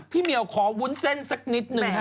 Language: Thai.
พี่หมี่วขอวุ้นเส้นสักนิดหนึ่ง